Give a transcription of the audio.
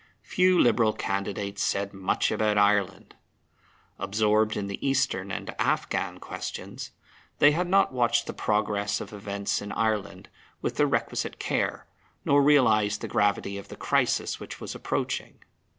Few Liberal candidates said much about Ireland. Absorbed in the Eastern and Afghan questions, they had not watched the progress of events in Ireland with the requisite care, nor realized the gravity of the crisis which was approaching.